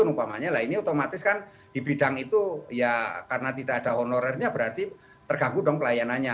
umpamanya lah ini otomatis kan di bidang itu ya karena tidak ada honorernya berarti terganggu dong pelayanannya